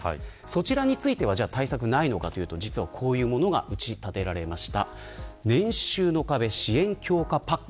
そちらについては対策がないかというと実は、こういうものが打ち立てられました。